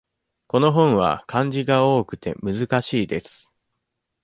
この本は漢字が多くて難しいです。